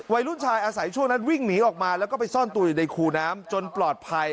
วัยรุ่นชายอาศัยช่วงนั้นวิ่งหนีออกมาแล้วก็ไปซ่อนตัวอยู่ในคูน้ำจนปลอดภัย